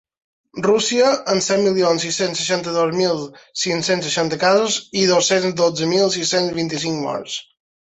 Rússia, amb set milions sis-cents seixanta-dos mil cinc-cents seixanta casos i dos-cents dotze mil sis-cents vint-i-cinc morts.